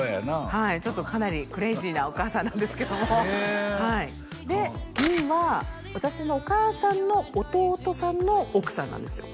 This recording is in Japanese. はいちょっとかなりクレイジーなお母さんなんですけどもへえでギンは私のお母さんの弟さんの奥さんなんですよ